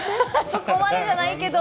そこまでじゃないけど。